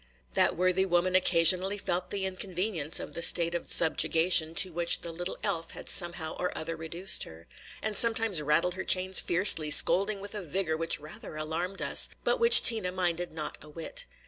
That worthy woman occasionally felt the inconvenience of the state of subjugation to which the little elf had somehow or other reduced her, and sometimes rattled her chains fiercely, scolding with a vigor which rather alarmed us, but which Tina minded not a whit.